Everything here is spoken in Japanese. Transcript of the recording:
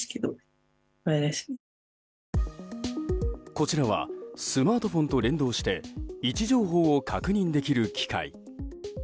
こちらはスマートフォンと連動して位置情報を確認できる機械。